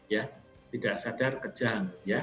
ya tidak sadar kejang